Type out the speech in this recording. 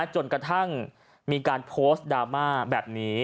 จนกระทั่งมีการโพสต์ดราม่าแบบนี้